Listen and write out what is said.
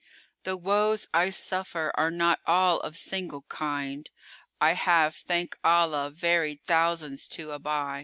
The woes I suffer are not all of single kind. * I have, thank Allah, varied thousands to aby!"